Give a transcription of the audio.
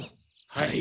はい。